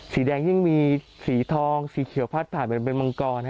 สีแดงยิ่งมีสีทองสีเขียวพัดผ่านเป็นมังกร